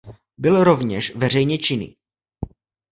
Byl rovněž veřejně činný.